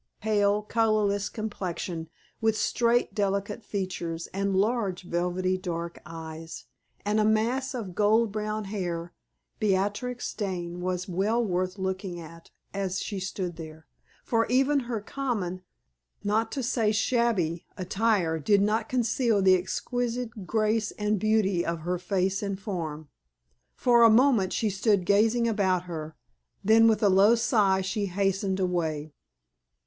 Pale, colorless complexion, with straight, delicate features, and large, velvety dark eyes, and a mass of gold brown hair, Beatrix Dane was well worth looking at as she stood there; for even her common not to say shabby attire did not conceal the exquisite grace and beauty of her face and form. For a moment she stood gazing about her, then with a low sigh she hastened away.